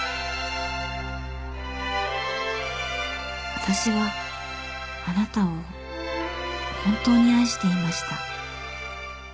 わたしはあなたを本当に愛していました。